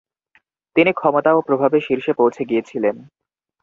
তিনি ক্ষমতা ও প্রভাবে শীর্ষে পৌঁছে গিয়েছিলেন।